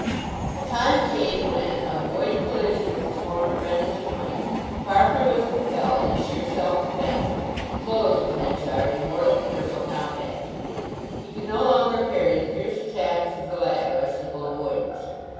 A time came when, avoid collision with his former friend as he might, Farfrae was compelled, in sheer self defence, to close with Henchard in mortal commercial combat. He could no longer parry the fierce attacks of the latter by simple avoidance.